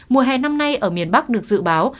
mùa hè năm nay ở miền bắc được dự báo